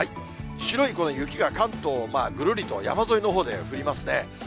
白いこの雪が、関東をぐるりと山沿いのほうで降りますね。